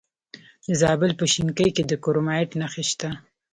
د زابل په شینکۍ کې د کرومایټ نښې شته.